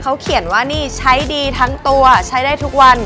เขาเขียนว่านี่ใช้ดีทั้งตัวใช้ได้ทุกวัน